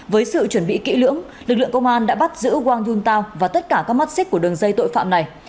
với sự chuẩn bị kỹ lưỡng lực lượng công an đã bắt giữ wang yuntao và tất cả các mắt xích của đường dây tội phạm này